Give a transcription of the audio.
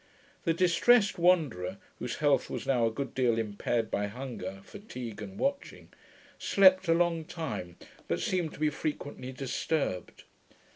The distressed Wanderer, whose health was now a good deal impaired by hunger, fatigue, and watching, slept a long time, but seemed to be frequently disturbed.